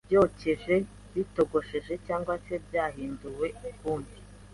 byokeje, bitogosheje cg se byahinduwe ukundi